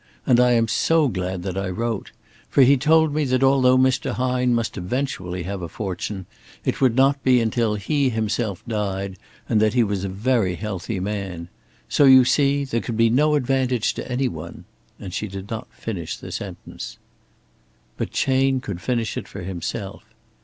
And I am so glad that I wrote. For he told me that although Mr. Hine must eventually have a fortune, it would not be until he himself died and that he was a very healthy man. So you see, there could be no advantage to any one " and she did not finish the sentence. But Chayne could finish it for himself.